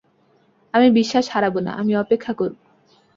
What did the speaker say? আমি বিশ্বাস হারাব না, আমি অপেক্ষা করব।